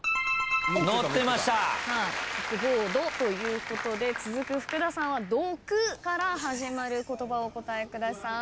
載ってました！ということで続く福田さんは「どく」から始まる言葉をお答えください。